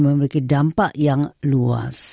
memiliki dampak yang luas